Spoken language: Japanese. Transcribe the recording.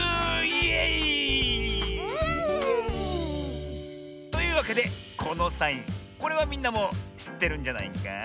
イエイー！というわけでこのサインこれはみんなもしってるんじゃないか？